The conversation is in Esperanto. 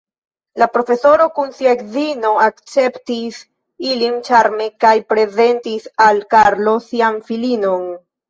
La profesoro kun sia edzino akceptis ilin ĉarme kaj prezentis al Karlo sian filinon.